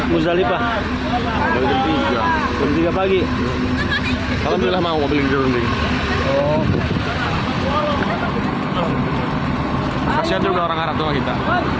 masih ada juga orang arab itu sama kita